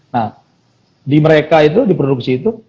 nah di mereka itu di produksi itu